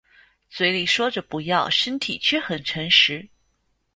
嘴里说着不要身体却很诚实